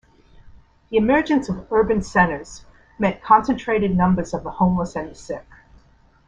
The emergence of urban centers meant concentrated numbers of the homeless and the sick.